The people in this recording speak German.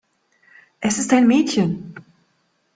Es ist ein Mädchen.